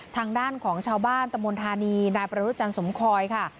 ทางด้านของชาวบ้านตะมนธานีนายประรุษจันทสมคอยค่ะ